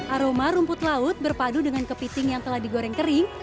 aroma rumput laut berpadu dengan kepiting yang telah digoreng kering